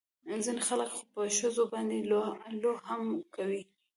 ځينې خلق خو په ښځو باندې لو هم کوي.